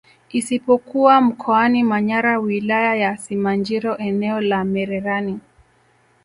Isipokuwa Mkoani Manyara Wilaya ya Simanjiro eneo la Mererani